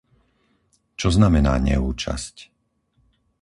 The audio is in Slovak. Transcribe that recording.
Čo znamená neúčasť?